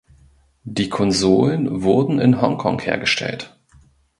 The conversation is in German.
Die Konsolen wurden in Hongkong hergestellt.